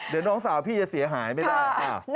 เดี๋ยวน้องสาวพี่จะเสียหายไม่ได้